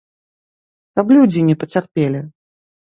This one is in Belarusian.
Каб людзі не пацярпелі.